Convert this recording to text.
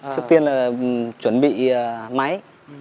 trước tiên là chuẩn bị máy